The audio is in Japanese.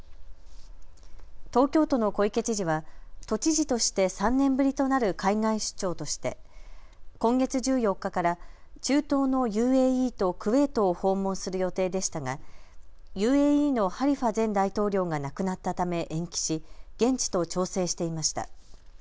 東京都の小池知事は都知事として３年ぶりとなる海外出張として今月１４日から中東のＵＡＥとクウェートを訪問する予定でしたがＵＡＥのハリファ前大統領が亡くなったため延期し現地と調整していました。